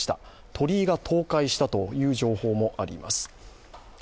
鳥居が倒壊したという情報もあります。